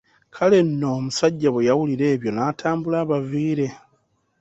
Kale nno omusajja bwe yawulira ebyo n'atambula abaviire.